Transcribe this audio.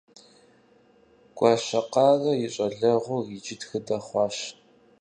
Гуащэкъарэ и щӀалэгъуэр иджы тхыдэ хъужащ.